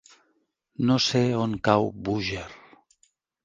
No sé on cau Búger.